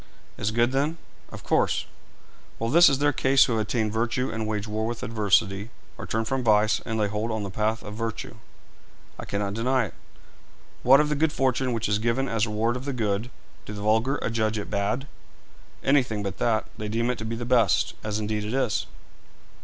'Is good, then?' 'Of course.' 'Well, this is their case who have attained virtue and wage war with adversity, or turn from vice and lay hold on the path of virtue.' 'I cannot deny it.' 'What of the good fortune which is given as reward of the good do the vulgar adjudge it bad?' 'Anything but that; they deem it to be the best, as indeed it is.'